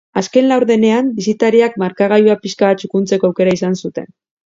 Azken laurdenean, bisitariak markagailua pixka bat txukuntzeko aukera izan zuten.